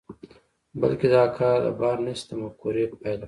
بلکې دا کار د بارنس د مفکورې پايله وه.